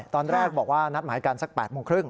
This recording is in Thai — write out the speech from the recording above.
ตอนแรกบอกว่านัดหมายกันสัก๘โมงครึ่ง